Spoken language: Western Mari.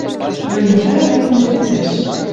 Йой Михӓлӓ лӓктӹн ӧлицӓш.